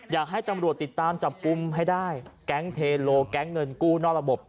อยากให้ตำรวจติดตามจับกลุ่มให้ได้แก๊งเทโลแก๊งเงินกู้นอกระบบ